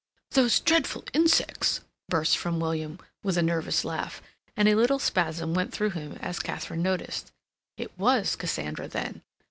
"Those dreadful insects!" burst from William, with a nervous laugh, and a little spasm went through him as Katharine noticed. It was Cassandra then.